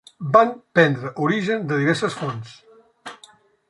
Van prendre origen de diverses fonts.